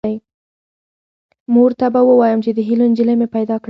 مور ته به ووایم چې د هیلو نجلۍ مې پیدا کړه